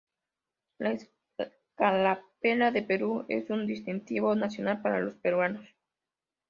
La escarapela de Perú es un distintivo nacional para los peruanos.